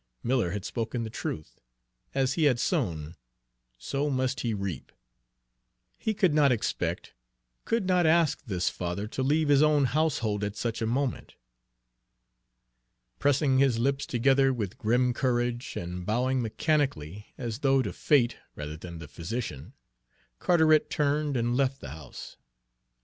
Miller had spoken the truth, as he had sown, so must he reap! He could not expect, could not ask, this father to leave his own household at such a moment. Pressing his lips together with grim courage, and bowing mechanically, as though to Fate rather than the physician, Carteret turned and left the house.